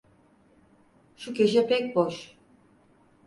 Şu köşe pek boş.